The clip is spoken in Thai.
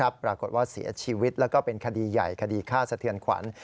ปรากฏว่าเสียชีวิตแล้วก็เป็นคดีใหญ่คดีฆ่าสะเทือนขวัญ